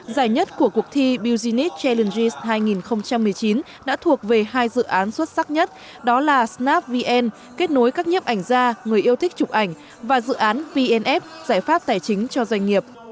giải nhất của cuộc thi business challenge hai nghìn một mươi chín đã thuộc về hai dự án xuất sắc nhất đó là snap vn kết nối các nhiếp ảnh gia người yêu thích chụp ảnh và dự án vnf giải pháp tài chính cho doanh nghiệp